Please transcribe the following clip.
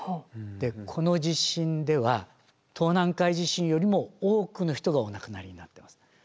でこの地震では東南海地震よりも多くの人がお亡くなりになってます。